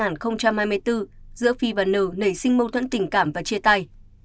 giữa phi và n nảy sinh mâu thuẫn tình cảm và chia tay